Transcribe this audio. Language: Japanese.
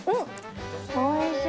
おいしい。